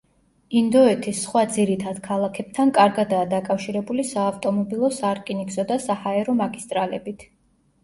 ინდოეთის სხვა ძირითად ქალაქებთან კარგადაა დაკავშირებული საავტომობილო, სარკინიგზო და საჰაერო მაგისტრალებით.